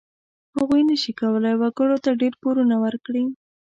هغوی نشي کولای وګړو ته ډېر پورونه ورکړي.